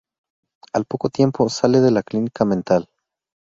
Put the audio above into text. Al poco tiempo, sale de la clínica mental.